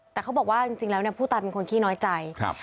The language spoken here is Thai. แต่เขาบอกว่าจริงแล้วเนี่ยผู้ตายเป็นคนขี้น้อยใจครับ